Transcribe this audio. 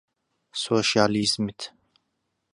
سۆشیالیزمت